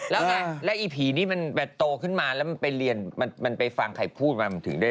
แล้วไงแล้วอีผีนี่มันโตขึ้นมาแล้วมันไปเรียนมันไปฟังใครพูดมามันถึงได้